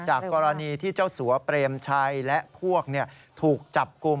กรณีที่เจ้าสัวเปรมชัยและพวกถูกจับกลุ่ม